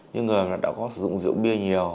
những người đã có sử dụng rượu bia nhiều